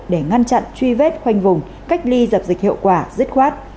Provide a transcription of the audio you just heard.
để ngăn chặn truy vết khoanh vùng cách ly dập dịch hiệu quả dứt khoát